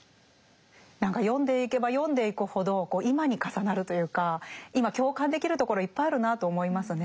何か読んでいけば読んでいくほど今に重なるというか今共感できるところいっぱいあるなと思いますね。